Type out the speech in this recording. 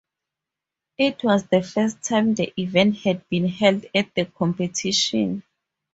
It was the first time the event had been held at the competition.